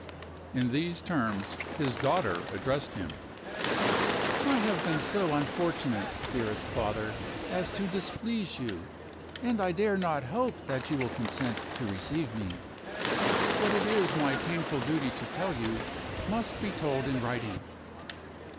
In these terms, his daughter addressed him: "I have been so unfortunate, dearest father, as to displease you, and I dare not hope that you will consent to receive me. What it is my painful duty to tell you, must be told in writing.